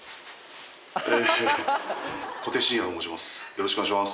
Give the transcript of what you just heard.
小手伸也と申します